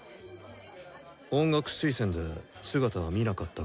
音楽推薦で姿は見なかったが。